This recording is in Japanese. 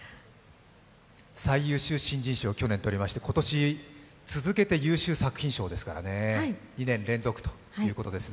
最優秀新人賞、去年取りまして、今年、続けて優秀作品賞ですからね２年連続ということですね。